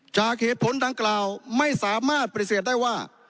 จากเหตุผลดังกล่าวไม่สามารถปฏิเสธได้ว่า